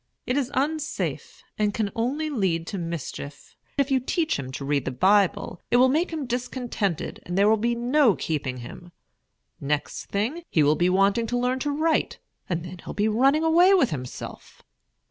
"It is unsafe, and can only lead to mischief. If you teach him to read the Bible, it will make him discontented, and there will be no keeping him. Next thing, he will be wanting to learn to write; and then he'll be running away with himself."